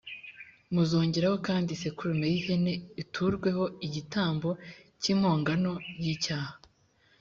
muzongeraho kandi isekurume y’ihene iturweho igitambo cy’impongano y’icyaha